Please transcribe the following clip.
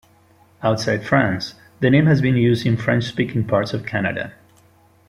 Outside France, the name has been used in French-speaking parts of Canada.